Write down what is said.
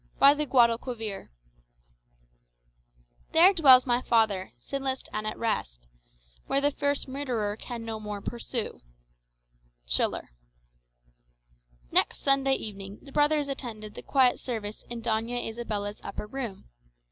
By the Guadalquivir "There dwells my father, sinless and at rest, Where the fierce murderer can no more pursue." Schiller Next Sunday evening the brothers attended the quiet service in Doña Isabella's upper room.